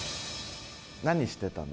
何してたの？